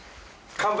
乾杯！